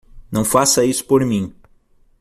Não faça isso por mim!